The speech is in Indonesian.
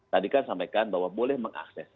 tadi kan sampaikan bahwa boleh mengakses